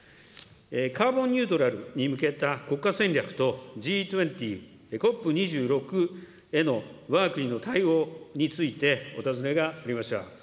カーボンニュートラルに向けた国家戦略とＧ２０、ＣＯＰ２６へのわが国の対応について、お尋ねがありました。